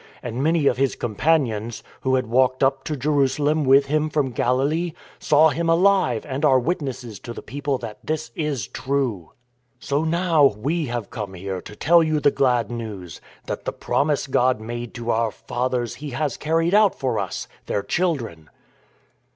And many of His companions — who had walked up to Jerusalem with Him from Galilee — saw Him alive and are witnesses to the People that this is true. FROM LOWLAND TO HIGHLAND 135 " So now we have come here to tell you the glad news, that the promise God made to our fathers He has carried out for us — their children."